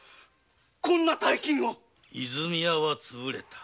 こんな大金を泉屋はつぶれた。